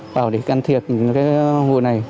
bảo để can thiệp những cái hội này